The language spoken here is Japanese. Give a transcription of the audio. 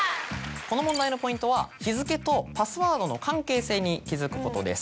この問題のポイントは日付とパスワードの関係性に気付くことです。